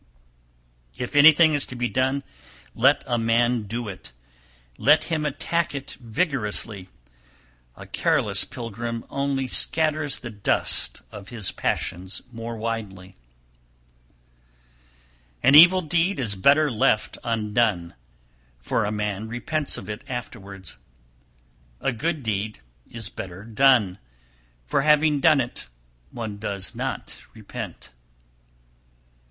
313. If anything is to be done, let a man do it, let him attack it vigorously! A careless pilgrim only scatters the dust of his passions more widely. 314. An evil deed is better left undone, for a man repents of it afterwards; a good deed is better done, for having done it, one does not repent. 315.